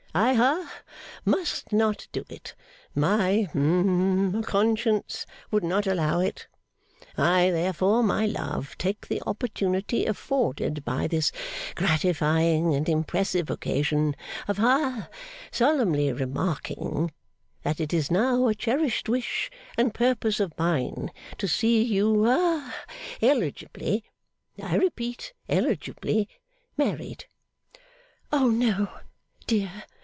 I ha must not do it. My hum conscience would not allow it. I therefore, my love, take the opportunity afforded by this gratifying and impressive occasion of ha solemnly remarking, that it is now a cherished wish and purpose of mine to see you ha eligibly (I repeat eligibly) married.' 'Oh no, dear!